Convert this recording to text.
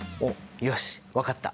よし分かった！